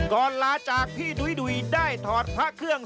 ลาจากพี่ดุ้ยได้ถอดพระเครื่อง